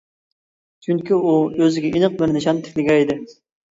چۈنكى ئۇ ئۆزىگە ئېنىق بىر نىشان تىكلىگەن ئىدى.